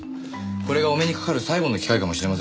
これがお目にかかる最後の機会かもしれませんよ。